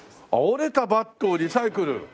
折れたバットをリサイクル。